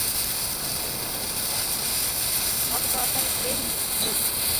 Vodka ক্যানবেরিই দিন।